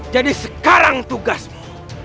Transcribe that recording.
jadi sekarang tugasmu